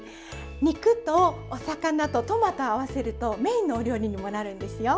肉とお魚とトマトを合わせるとメインのお料理にもなるんですよ。